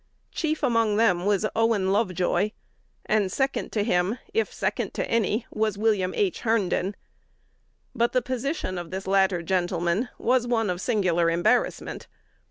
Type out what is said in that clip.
Chief among them was Owen Lovejoy; and second to him, if second to any, was William H. Herndon. But the position of this latter gentleman was one of singular embarrassment.